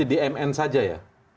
ini tidak berarti di mn saja ya